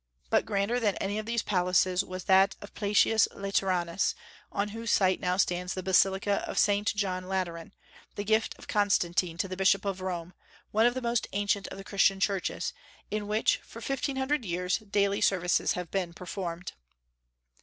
But grander than any of these palaces was that of Plautius Lateranus, on whose site now stands the basilica of St. John Lateran, the gift of Constantine to the bishop of Rome, one of the most ancient of the Christian churches, in which, for fifteen hundred years, daily services have been performed.